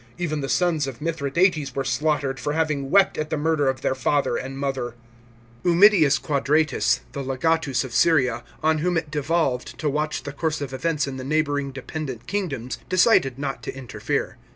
Even the sons of Mithradates were slaughtered for having wept at the murder of their father and mother." *§ 5. Ummidius Quadratus, the legatus of Syria, on whom it devolved to watch the course of events in the neigh bonring depen dent kingdoms, decided not to interfere.